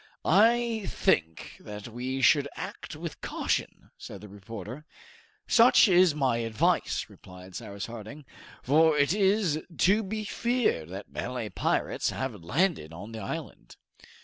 "I think that we should act with caution," said the reporter. "Such is my advice," replied Cyrus Harding, "for it is to be feared that Malay pirates have landed on the island!"